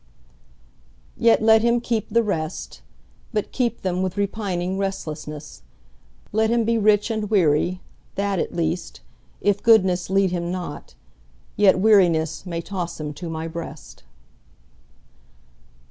Yet let him keep the rest, But keep them with repining restlessness; Let him be rich and weary, that at least, If goodness lead him not, yet wearinessMay toss him to My breast.